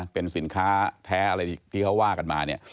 เป็นสินค้าแท้อะไรที่เขาว่ากันมาเนี่ย